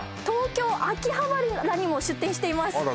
東京秋葉原にも出店しています